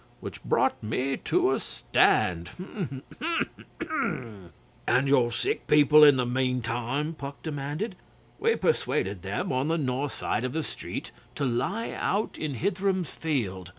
Which brought me to a stand. Ahem!' 'And your sick people in the meantime?' Puck demanded. 'We persuaded them on the north side of the street to lie out in Hitheram's field.